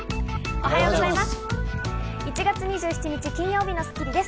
おはようございます。